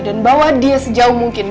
dan bawa dia sejauh mungkin